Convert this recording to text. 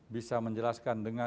bisa menjelaskan dengan